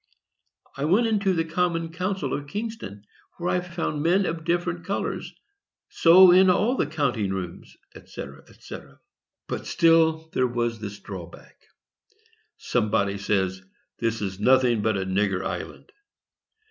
I went into the Common Council of Kingston; there I found men of different colors. So in all the counting rooms, &c. &c. But still there was this drawback. Somebody says, "This is nothing but a nigger island."